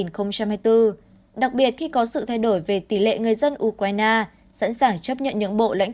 năm hai nghìn hai mươi bốn đặc biệt khi có sự thay đổi về tỷ lệ người dân ukraine sẵn sàng chấp nhận những bộ lãnh